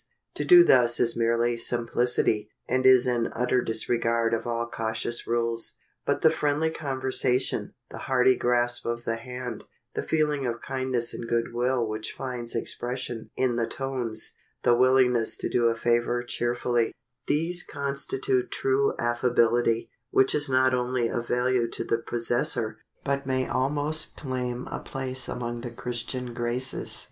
To do thus is mere simplicity, and is an utter disregard of all cautious rules. But the friendly conversation, the hearty grasp of the hand, the feeling of kindness and good will which finds expression in the tones, the willingness to do a favor cheerfully,—these constitute true affability, which is not only of value to the possessor, but may almost claim a place among the Christian graces.